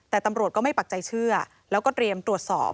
แต่ตำรวจก็ไม่ปักใจเชื่อแล้วก็เตรียมตรวจสอบ